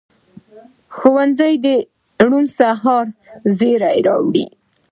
ښوونځی د روڼ سبا زېری راوړي